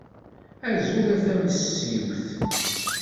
Azul a tamessiwt!